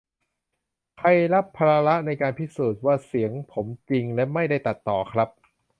ใครรับภาระในการพิสูจน์ว่าเสียงผมจริงและไม่ได้ตัดต่อครับ